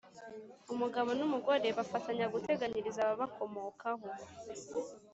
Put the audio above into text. umugabo n’umugore bafatanya guteganyiriza ababakomokaho